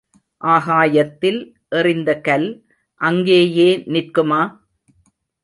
ஆகாயத்தில் எறிந்த கல் அங்கேயே நிற்குமா?